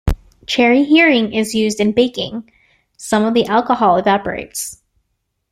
Cherry Heering is used in baking; some of the alcohol evaporates.